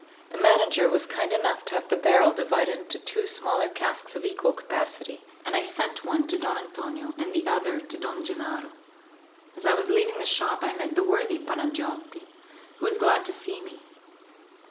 The manager was kind enough to have the barrel divided into two smaller casks of equal capacity, and I sent one to Don Antonio, and the other to Don Gennaro. As I was leaving the shop I met the worthy Panagiotti, who was glad to see me.